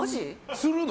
するの？